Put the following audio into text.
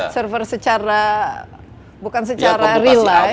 server secara bukan secara real life